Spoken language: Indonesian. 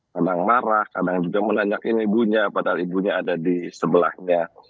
kadang marah kadang juga menanyakan ibunya padahal ibunya ada di sebelahnya